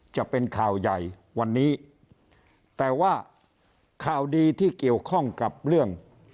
จะเป็นข่าวใหญ่วันนี้แต่ว่าข่าวดีที่เกี่ยวข้องกับเรื่อง